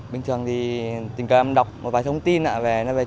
bình thường thì tình cảm em đọc một vài thông tin về trường cao đẳng nghề